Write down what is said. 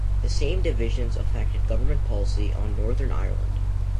The same divisions affected government policy on Northern Ireland.